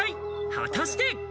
果たして。